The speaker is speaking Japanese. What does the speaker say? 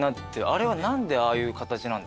あれは何でああいう形なんですか？